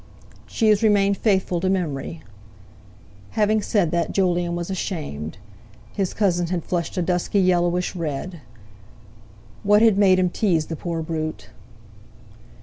"She has remained faithful to memory." Having said that, Jolyon was ashamed. His cousin had flushed a dusky yellowish red. What had made him tease the poor brute!